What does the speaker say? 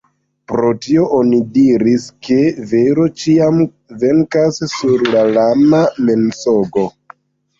Pro tio oni diris ke vero ĉiam Venkas sur lama Mensogo.